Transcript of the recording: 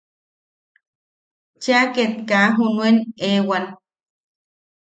Cheʼa ket kaa junuen ewan.